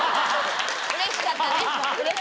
うれしかったね。